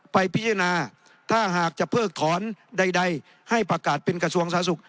ไปพิจารณาถ้าหากจะเพิกถอนใดให้ประกาศเป็นกระทรวงสาธารณสุข